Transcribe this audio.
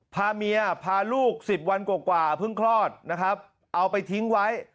พาเมียพาลูก๑๐วันกว่าเพิ่งคลอดนะครับเอาไปทิ้งไว้